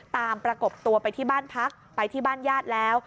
ประกบตัวไปที่บ้านพักไปที่บ้านญาติแล้ว